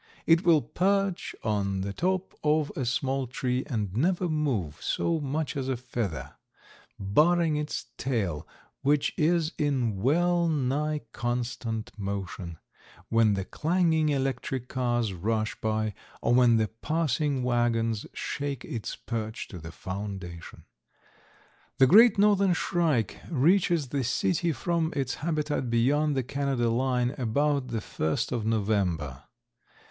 It will perch on the top of a small tree and never move so much as a feather, barring its tail, which is in well nigh constant motion, when the clanging electric cars rush by or when the passing wagons shake its perch to the foundation. The Great Northern Shrike reaches the city from its habitat beyond the Canada line about the first of November.